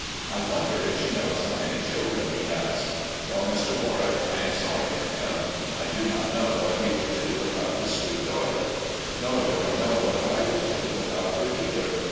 I wonder if she knows how many children he has. Tell Mr. Warwick I am sorry for him I do not know what he will do without his sweet daughter. THE IDOL OF THE SOUTH 207 Nor do I know what I will do without her, either.